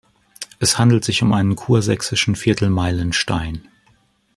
Es handelt sich um einen kursächsischen Viertelmeilenstein.